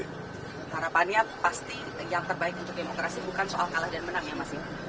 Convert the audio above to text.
harapannya pasti yang terbaik untuk demokrasi bukan soal kalah dan menang ya mas